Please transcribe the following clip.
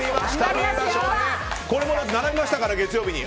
もう並びましたから月曜日に。